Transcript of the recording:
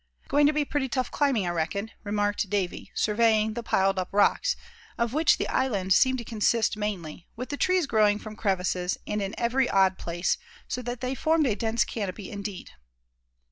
"Going to be pretty tough climbing, I reckon?" remarked Davy, surveying the piled up rocks, of which the island seemed to consist mainly, with the trees growing from crevices, and in every odd place, so that they formed a dense canopy indeed.